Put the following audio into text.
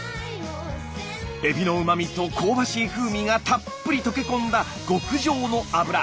エビのうまみと香ばしい風味がたっぷり溶け込んだ極上の油。